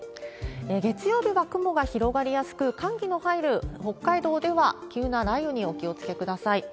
月曜日は雲が広がりやすく、寒気の入る北海道では、急な雷雨にお気をつけください。